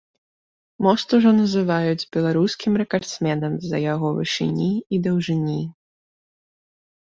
Мост ужо называюць беларускім рэкардсменам з-за яго вышыні і даўжыні.